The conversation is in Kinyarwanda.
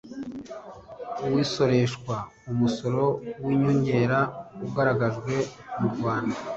w isoresha Umusoro w inyongera ugaragajwe mu rwanda